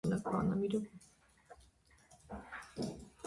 Երկրի «ամենաբարձր» բարձրավայրն է։